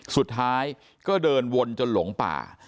สุดท้ายก็เดินวนจนหลงป่า